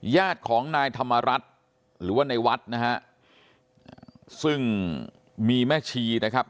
ญาติของนายธรรมรัฐหรือว่าในวัดนะฮะซึ่งมีแม่ชีนะครับ